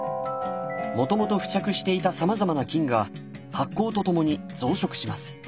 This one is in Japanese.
もともと付着していたさまざまな菌が発酵とともに増殖します。